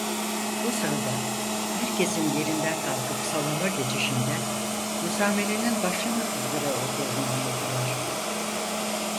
Bu sırada, herkesin yerinden kalkıp salona geçişinden müsamerenin başlamak üzere olduğunu anladılar.